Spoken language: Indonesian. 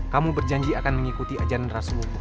kamu berjanji akan mengikuti ajaran rasulullah